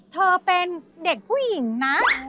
เธอเป็นเด็กผู้หญิงนะ